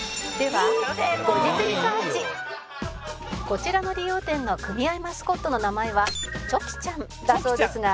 「こちらの理容店の組合マスコットの名前はチョキちゃんだそうですが」